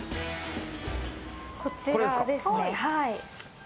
こちらですね。